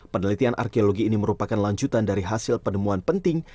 penelitian arkeologi ini merupakan lanjutan dari hasil penemuan penting